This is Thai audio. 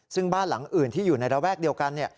ซึ่งบ้านหลังอื่นที่อยู่ในระแวกเดียวกัน